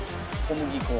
小麦粉。